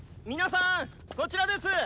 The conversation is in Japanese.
皆さんこちらです！